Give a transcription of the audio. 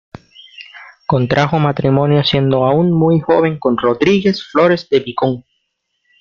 Contrajo matrimonio siendo aún muy joven con Rodríguez Flores de Picón.